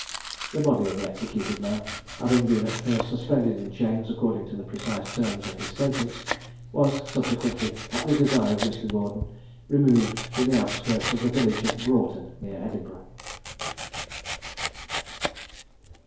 The body of the executed man, having been at first suspended in chains according to the precise terms of his sentence, was subsequently, at the desire of Mr. Gordon, removed to the outskirts of the village of Broughton, near Edinburgh.